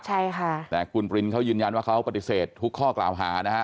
ใช่ค่ะแต่คุณปรินเขายืนยันว่าเขาปฏิเสธทุกข้อกล่าวหานะฮะ